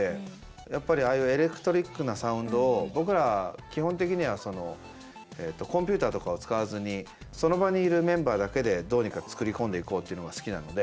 やっぱりああいうエレクトリックなサウンドを僕ら基本的にはそのコンピューターとかを使わずにその場にいるメンバーだけでどうにか作り込んでいこうっていうのが好きなので。